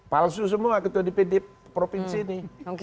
palsu semua ketua di pd provinsi ini